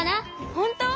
ほんとう？